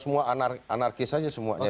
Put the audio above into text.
semua anarkis aja semuanya